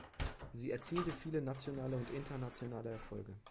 Sie erzielte viele nationale und internationale Erfolge.